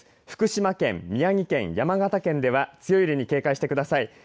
福島県、宮城県、山形県では強い揺れに警戒してください。